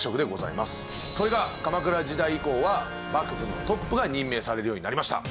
それが鎌倉時代以降は幕府のトップが任命されるようになりました。